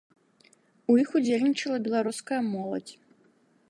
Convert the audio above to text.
У іх удзельнічала беларуская моладзь.